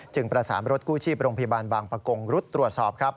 ประสานรถกู้ชีพโรงพยาบาลบางประกงรุดตรวจสอบครับ